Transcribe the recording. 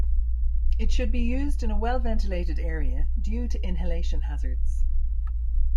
It should be used in a well-ventilated area due to inhalation hazards.